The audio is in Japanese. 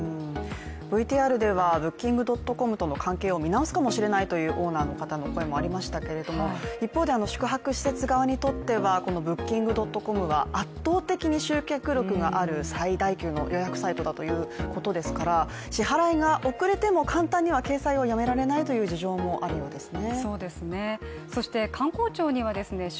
ＶＴＲではＢｏｏｋｉｎｇ．ｃｏｍとの関係を見直すかもしれないというオーナーの方の声もありましたが、一方で宿泊施設側にとってはこのＢｏｏｋｉｎｇ．ｃｏｍは圧倒的に集客力がある最大級の予約サイトということですから支払が遅れても簡単には掲載はやめられないという事情もあるようですね。